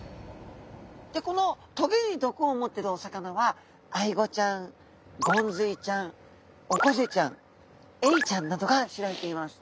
でこの棘に毒を持ってるお魚はアイゴちゃんゴンズイちゃんオコゼちゃんエイちゃんなどが知られています。